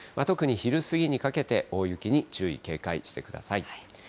特に昼過ぎにかけて大雪に注意、警戒してください。